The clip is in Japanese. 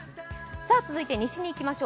続いて西にいきましょう。